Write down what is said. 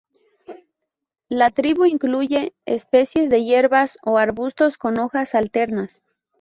La tribu incluye especies de hierbas o arbustos con hojas alternas.